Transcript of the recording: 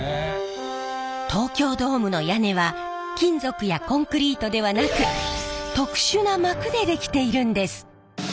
東京ドームの屋根は金属やコンクリートではなく特殊な膜でできているんです。